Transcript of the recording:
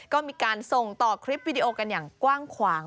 ก็มีการส่งต่อคลิปวิดีโอกันอย่างกว้างขวาง